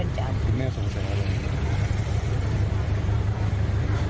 ตอนนี้